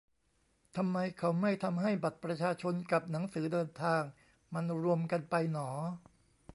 ทำไมเขาไม่ทำให้บัตรประชาชนกับหนังสือเดินทางมันรวมกันไปหนอ